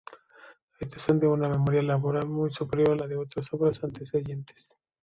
Estos son de una meritoria labra muy superior a la de otras obras antecedentes.